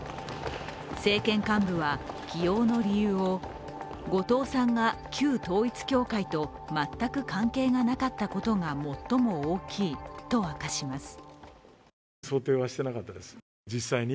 政権幹部は、起用の理由を後藤さんが旧統一教会と全く関係がなかったことが最も大きいと明かします。